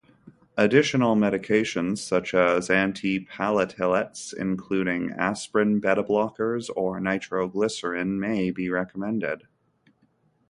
Additional medications such as antiplatelets including aspirin, beta blockers, or nitroglycerin may be recommended.